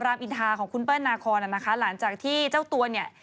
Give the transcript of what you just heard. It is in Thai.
รามอินทาของคุณเปิ้ลนาคอนหลังจากที่เจ้าตัว